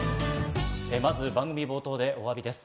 まず番組冒頭でお詫びです。